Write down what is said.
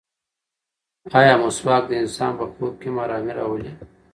ایا مسواک د انسان په خوب کې هم ارامي راولي؟